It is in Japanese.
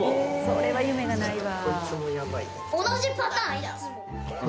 それは夢がないわ。